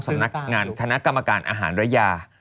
สำนักงานคณะกรรมการอาหารระยา